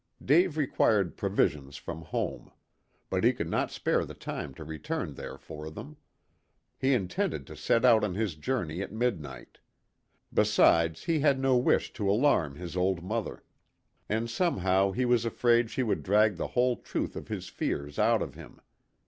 Dave required provisions from home. But he could not spare the time to return there for them. He intended to set out on his journey at midnight. Besides, he had no wish to alarm his old mother. And somehow he was afraid she would drag the whole truth of his fears out of him.